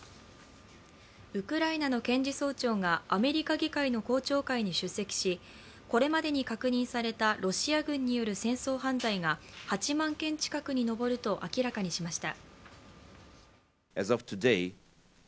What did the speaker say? ウクライナの検事総長がアメリカ議会の公聴会に出席し、これまでに確認されたロシア軍による戦争犯罪が８万件近くにのぼると明らかにしました。